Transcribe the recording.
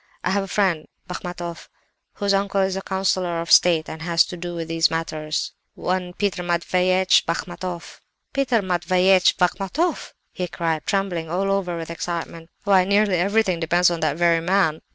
I have a friend, Bachmatoff, whose uncle is a councillor of state and has to do with these matters, one Peter Matveyevitch Bachmatoff.' "'Peter Matveyevitch Bachmatoff!' he cried, trembling all over with excitement. 'Why, nearly everything depends on that very man!